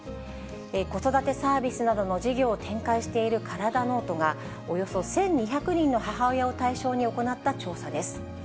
子育てサービスなどの事業を展開しているカラダノートが、およそ１２００人の母親を対象に行った調査です。